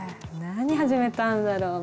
何始めたんだろう。